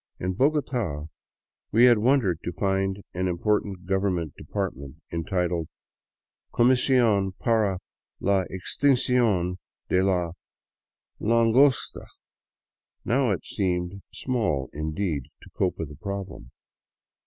In Bogota we had wondered to find an important government depart ment entitled " Comision para la Extincion de la Langosta "; now it seemed small, indeed, to cope with the problem.